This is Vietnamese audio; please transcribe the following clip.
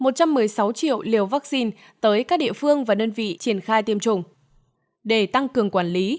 một trăm một mươi sáu triệu liều vaccine tới các địa phương và đơn vị triển khai tiêm chủng để tăng cường quản lý